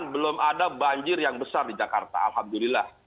belum ada banjir yang besar di jakarta alhamdulillah